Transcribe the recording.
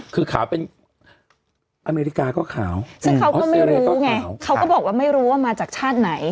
คือขาวเป็นอเมริกาก็ขาวซึ่งเขาก็ไม่รู้ไงเขาก็บอกว่าไม่รู้ว่ามาจากชาติไหน